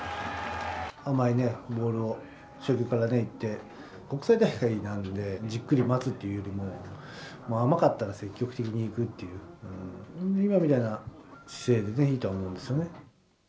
甘いボールを初球からいって、国際大会なんで、じっくり待つっていうよりも、甘かったら積極的にいくっていう、今みたいな姿勢でいいとは思うんですよね。